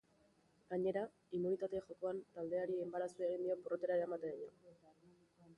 Gainera, immunitate jokoan taldeari enbarazu egin dio porrotera eramateraino.